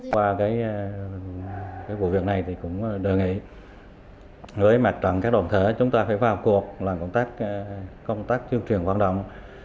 qua cái vụ việc này thì cũng đề nghị với mặt trận các đồn thể chúng ta phải vào cuộc công tác chương truyền hoạt động